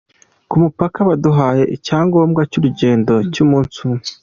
Ku mupaka baduhaye icyangombwa cy’urugendo cy’umunsi umwe.